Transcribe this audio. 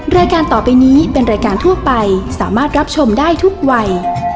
รายการต่อไปนี้เป็นรายการทั่วไปสามารถรับชมได้ทุกวัย